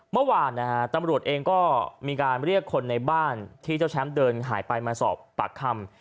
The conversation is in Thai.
เมื่อวานนะฮะตำรวจเองก็มีการเรียกคนในบ้านที่เจ้าแชมป์เดินหายไปมาสอบปากคำ